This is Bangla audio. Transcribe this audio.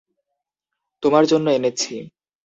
তোমার জন্য এনেছি।